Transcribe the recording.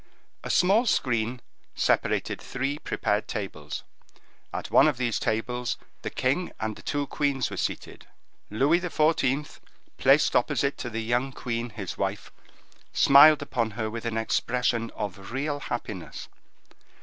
A small screen separated three prepared tables. At one of these tables the king and the two queens were seated. Louis XIV., placed opposite to the young queen, his wife, smiled upon her with an expression of real happiness.